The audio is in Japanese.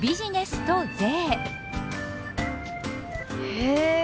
へえ。